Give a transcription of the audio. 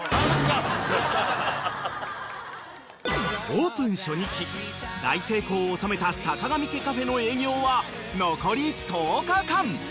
［オープン初日大成功を収めたさかがみ家カフェの営業は残り１０日間］